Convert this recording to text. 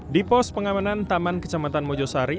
di pos pengamanan taman kecamatan mojosari